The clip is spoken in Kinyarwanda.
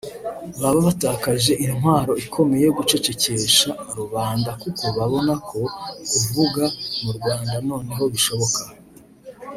baba batakaje intwaro ikomeye yo gucecekesha rubanda kuko babona ko kuvuga mu Rwanda noneho bishoboka